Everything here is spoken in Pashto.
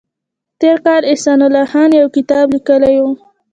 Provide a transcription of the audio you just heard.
تېر کال احسان الله خان یو کتاب لیکلی و